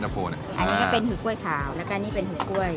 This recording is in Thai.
อันนี้ก็เป็นหูกล้วยขาวแล้วก็นี่เป็นหูกล้วย